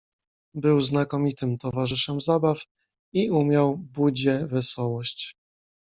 "Był znakomitym towarzyszem zabaw i umiał budzie wesołość."